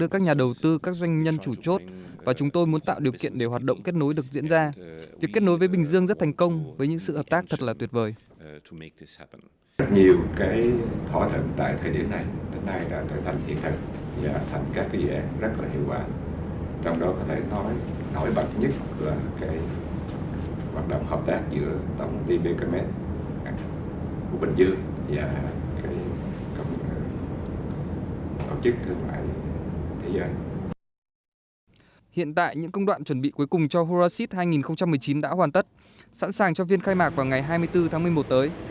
các đoạn chuẩn bị cuối cùng cho horacis hai nghìn một mươi chín đã hoàn tất sẵn sàng cho viên khai mạc vào ngày hai mươi bốn tháng một mươi một tới